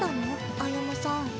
歩夢さん。